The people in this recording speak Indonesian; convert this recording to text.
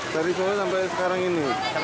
dari solo sampai sekarang ini